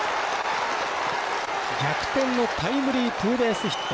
逆転のタイムリーツーベースヒット。